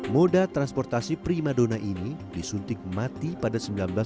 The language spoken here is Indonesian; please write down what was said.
moda transportasi prima donna ini disunting mati pada seribu sembilan ratus tujuh puluh delapan